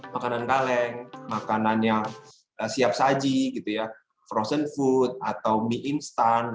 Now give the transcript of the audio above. makanan kaleng makanan yang siap saji gitu ya frozen food atau mie instan